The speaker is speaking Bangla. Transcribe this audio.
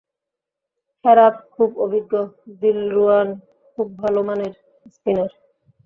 হেরাথ খুব অভিজ্ঞ, দিলরুয়ান খুব ভালো মানের স্পিনার।